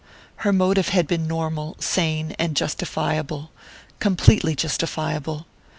Her motive had been normal, sane and justifiable completely justifiable.